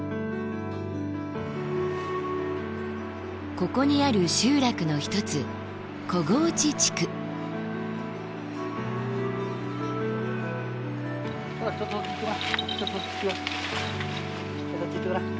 ここにある集落の一つちょっとそっち行ってごらん。